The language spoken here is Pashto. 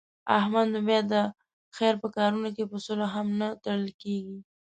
احمد نو بیا د خیر په کارونو کې په سلو هم نه تړل کېږي.